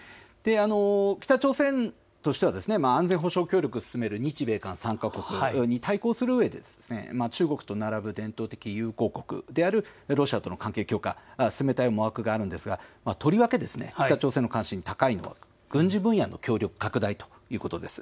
北朝鮮としては安全保障協力を進める日米韓３か国に対抗するうえで中国と並ぶ伝統的友好国であるロシアとの関係強化を進めたい思惑があるんですがとりわけ北朝鮮の関心が高い軍事分野の協力拡大ということです。